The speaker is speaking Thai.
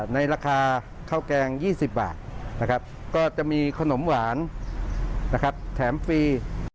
ในราคาข้าวแกง๒๐บาทก็จะมีขนมหวานแถมฟรี